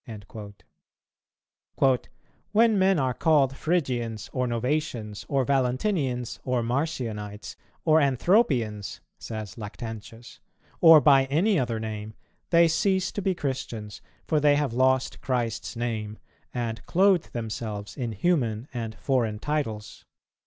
"[258:2] "When men are called Phrygians, or Novatians, or Valentinians, or Marcionites, or Anthropians," says Lactantius, "or by any other name, they cease to be Christians; for they have lost Christ's Name, and clothe themselves in human and foreign titles.